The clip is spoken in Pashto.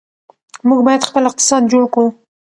موږ باید خپل اقتصاد جوړ کړو.